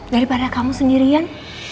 daripada kamu sendirian